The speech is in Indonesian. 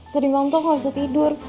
tadi malam tau aku gak usah tidur